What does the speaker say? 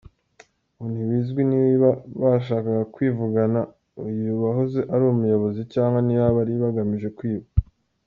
Ngo ntibizwi niba bashakaga kwivugana uyu wahoze ari umuyobozi cyangwa niba bari bagamije kwiba.